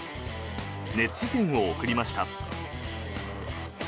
熱視線を送りました。